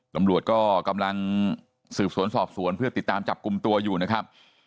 ตำรวจก็กำลังสืบสวนสอบสวนเพื่อติดตามจับกลุ่มตัวอยู่นะครับ